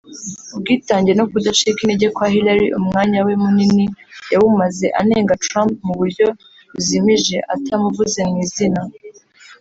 ubwitange no kudacika intege kwa Hillary umwanya we munini yawumaze anenga Trump mu buryo buzimije atamuvuze mu izina